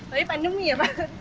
tapi pandemi ya pak